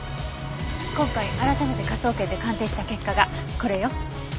今回改めて科捜研で鑑定した結果がこれよ。